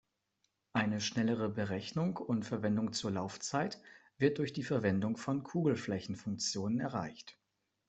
Eine schnellere Berechnung und Verwendung zur Laufzeit wird durch die Verwendung von Kugelflächenfunktionen erreicht.